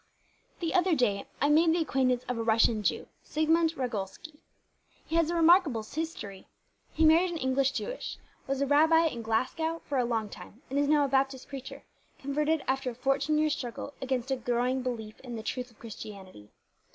"The other day I made the acquaintance of a Russian Jew, Sigmund Ragolsky. He has a remarkable history. He married an English Jewess, was a rabbi in Glasgow for a long time, and is now a Baptist preacher, converted after a fourteen years' struggle against a growing belief in the truth of Christianity.